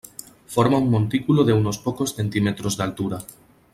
Forma un montículo de unos pocos centímetros de altura.